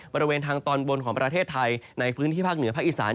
บริเวณทางตอนบนของประเทศไทยในพื้นที่ภาคเหนือภาคอีสาน